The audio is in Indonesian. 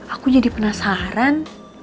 aku jadi penasaran